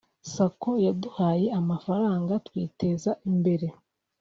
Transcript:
Sacco yaduhaye amafaranga twiteza imbere